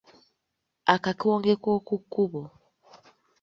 Akakonge k’oku kkubo.